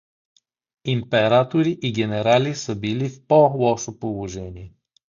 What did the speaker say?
Императори и генерали са били в по-лошо положение.